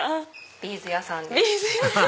ビーズ屋さんです。